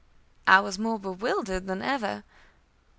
I was more bewildered than ever.